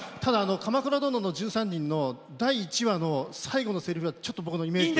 「鎌倉殿の１３人」の第１話の最後のせりふはちょっと僕のイメージと。